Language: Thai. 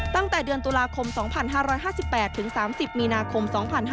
ตั้งแต่เดือนตุลาคม๒๕๕๘ถึง๓๐มีนาคม๒๕๕๙